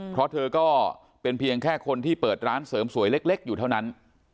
เพราะเธอก็เป็นเพียงแค่คนที่เปิดร้านเสริมสวยเล็กอยู่เท่านั้น